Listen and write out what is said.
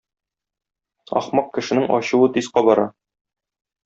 Ахмак кешенең ачуы тиз кабара.